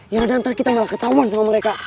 ya nanti kita malah ketahuan sama mereka